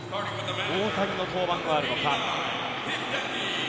大谷の登板はあるのか。